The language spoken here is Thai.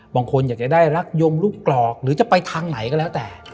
บางคนอยากจะได้รักยมลูกกรอกหรือจะไปทางไหนก็แล้วแต่